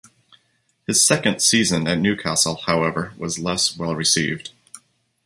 His second season at Newcastle however was less well received.